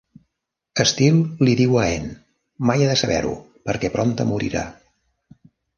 Steele li diu a Ann, "mai ha de saber-ho" perquè prompte morirà.